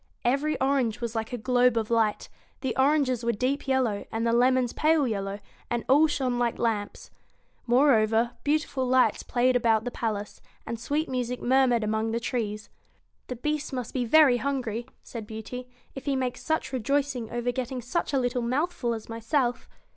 Every orange was like a globe of light ; the oranges were deep yellow, and the lemons pale yellow, and all shone like lamps. Moreover, beautiful lights played about the palace, and sweet music mur mured among the trees. 1 The Beast must be very hungry,' said Beauty, * if he makes such rejoicing over getting such a little mouthful as myself.'